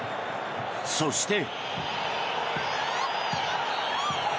そして。